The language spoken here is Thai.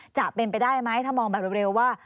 จะเป็นไปได้ไหมถ้ามองแบบเร็วว่า